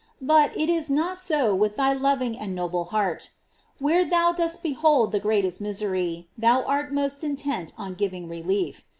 But it is not so with thy loving and noble heart. Where thou dost behold the greatest misery, there thou art most intent on giving relief.